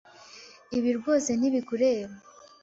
Ibi rwose ntibikureba.